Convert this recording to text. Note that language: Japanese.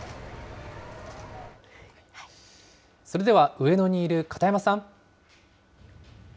それでは上野にいる片山さん。